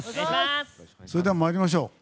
それでは参りましょう。